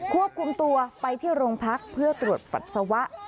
ควบคุมตัวไปที่โรงพักเพื่อตรวจปัสสาวะ